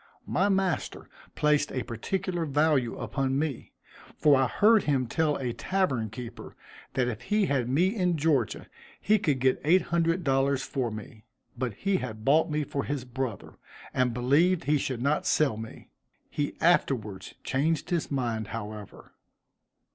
My master placed a particular value upon me, for I heard him tell a tavern keeper that if he had me in Georgia he could get eight hundred dollars for me, but he had bought me for his brother, and believed he should not sell me; he afterwards changed his mind, however.